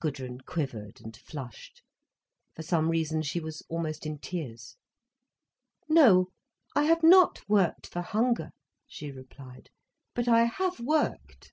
Gudrun quivered and flushed. For some reason she was almost in tears. "No, I have not worked for hunger," she replied, "but I have worked!"